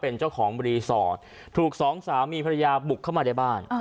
เป็นเจ้าของรีสอร์ทถูกสองสามีภรรยาบุกเข้ามาในบ้าน